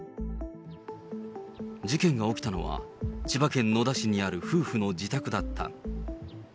事件が起きたのは、千葉県野田市にある夫婦の自宅だった。